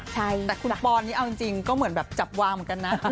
แต่คุณปอนนี่เอาจริงก็เหมือนแบบจับวางเหมือนกันนะ